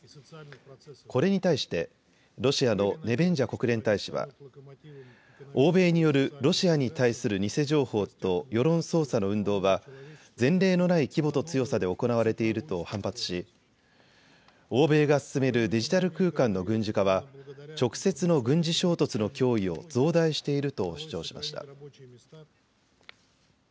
これにに対してロシアのネベンジャ国連大使は欧米によるロシアに対する偽情報と世論操作の運動は前例のない規模と強さで行われていると反発し欧米が進めるデジタル空間の軍事化は直接の軍事衝突の脅威を増大していると主張しました。